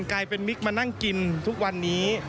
กลายเป็นมิกมานั่งกินทุกวันนี้